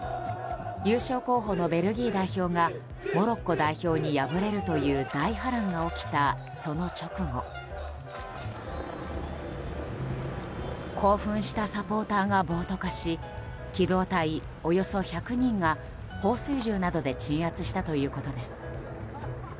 優勝候補のベルギー代表がモロッコ代表に敗れるという大波乱が起きた、その直後興奮したサポーターが暴徒化し機動隊およそ１００人が放水銃などで鎮圧したということです。